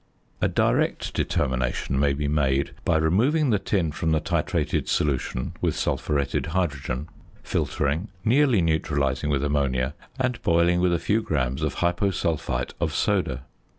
A direct determination may be made by removing the tin from the titrated solution with sulphuretted hydrogen, filtering, nearly neutralising with ammonia, and boiling with a few grams of hyposulphite of soda.